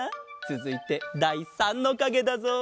つづいてだい３のかげだぞ。